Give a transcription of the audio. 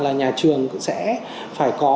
là nhà trường sẽ phải có